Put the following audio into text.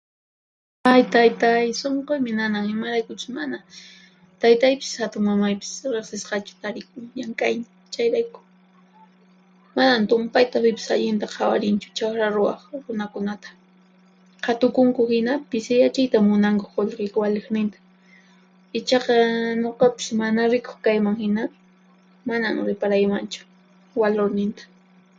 Ay! Taytay! Sunquymi nanan imaraykuchus mana taytaypis hatunmamaypis riqsirisqachu tarikun llank'aynin, chayrayku. Manan tumpayta pipis allinta qhawarinchu chaqra ruwaq runakunata. Qhatukunku hina pisiyachiyta munanku qullqi waliqninta. Ichaqa nuqapis mana rikuq kayman hina, manan riparaymanchu walurninta.